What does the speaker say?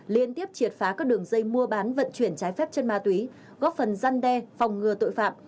liên tiếp triệt phá các đường dây mua bán vận chuyển trái phép chân ma túy góp phần gian đe phòng ngừa tội phạm